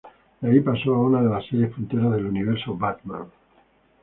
De ahí pasó a una de las series punteras del universo Batman.